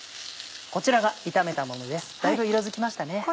こちらが炒めたものですたいぶ色づきましたね。